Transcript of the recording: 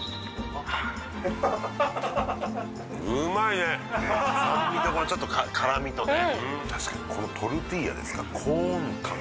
くっ酸味とこれちょっと辛みとねうん確かにこのトルティーヤですかコーン感